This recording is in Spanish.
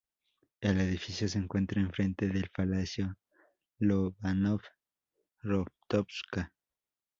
El edificio se encuentra enfrente del palacio Lobanov-Rostovska.